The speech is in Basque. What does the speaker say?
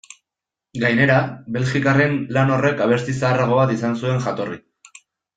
Gainera, belgikarren lan horrek abesti zaharrago bat izan zuen jatorri.